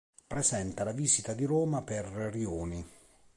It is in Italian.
Presenta la visita di Roma per Rioni.